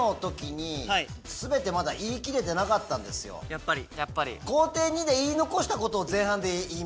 やっぱり。